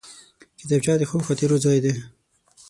کتابچه د ښو خاطرو ځای دی